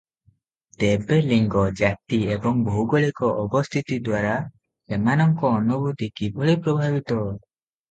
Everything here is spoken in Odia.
ତେବେ ଲିଙ୍ଗ, ଜାତି ଏବଂ ଭୌଗୋଳିକ ଅବସ୍ଥିତିଦ୍ୱାରା ସେମାନଙ୍କ ଅନୁଭୂତି କିଭଳି ପ୍ରଭାବିତ?